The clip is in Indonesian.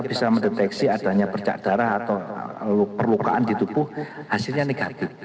bisa mendeteksi adanya percak darah atau perlukaan di tubuh hasilnya negatif